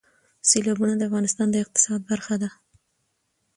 سیلابونه د افغانستان د اقتصاد برخه ده.